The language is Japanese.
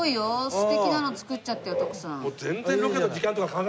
素敵なの作っちゃったよ徳さん。